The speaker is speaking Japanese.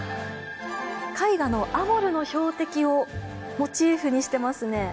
絵画の『アモルの標的』をモチーフにしてますね。